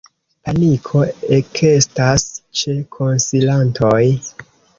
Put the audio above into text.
Paniko ekestas ĉe konsilantoj.